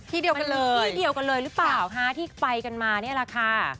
ที่เดียวกันเลยหรือเปล่าค่ะที่ไปกันมานี่แหละค่ะ